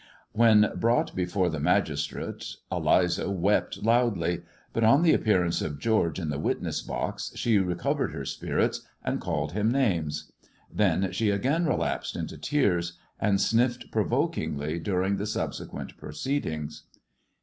When brought before the magistrate, Eliza wept loudly ; but on the appearance of George in the witness box, she recovered her spirits, and called him names. Then she again relapsed into tears, and sniffed provokingly during the subsequent proceedings.